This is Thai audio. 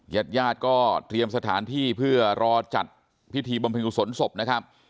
ญาติญาติก็เตรียมสถานที่เพื่อรอจัดพิธีบำเพ็ญกุศลศพนะครับ